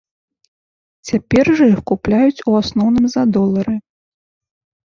Цяпер жа іх купляюць у асноўным за долары.